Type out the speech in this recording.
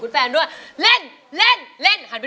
ดูหน้าคุณแม่